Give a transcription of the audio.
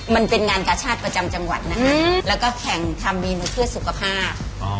มันเป็นงานกาชาติประจำจังหวัดนะคะแล้วก็แข่งทำเมนูเพื่อสุขภาพ